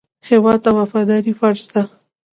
هېواد ته وفاداري فرض ده